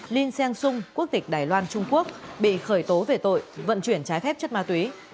linh sang sung quốc tịch đài loan trung quốc bị khởi tố về tội vận chuyển trái phép chất ma túy